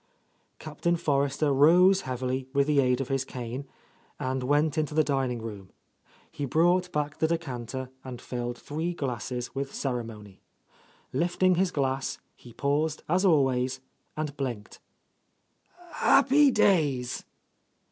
Captain Forrester rose heavily, with the aid of his cane, and went into the dining room. He brought back the decanter and filled three glasses with ceremony. Lifting his glass, he paused, as always, and blinked. "Happy days!"